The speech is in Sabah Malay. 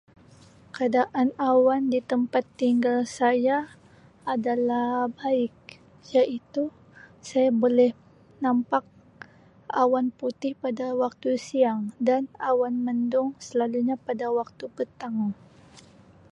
Keadaan awan di tempat tinggal saya adalah baik iaitu saya boleh nampak awan putih pada waktu siang dan awan mendung selalunya pada waktu petang.